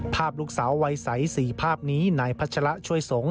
ภาพลูกสาววัยใส๔ภาพนี้นายพัชระช่วยสงฆ